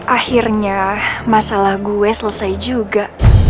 akhirnya masalah gue selesai juga